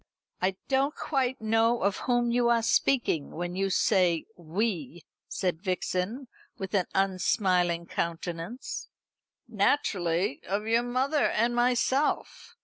"I don't quite know of whom you are speaking when you say 'we,'" said Vixen, with an unsmiling countenance. "Naturally of your mother and myself.